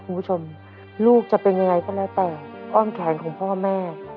ลูกจะเป็นยังไงก็แล้วแต่อ้อมแขนของพ่อแม่